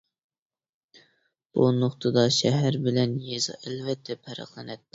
بۇ نۇقتىدا شەھەر بىلەن يېزا ئەلۋەتتە پەرقلىنەتتى.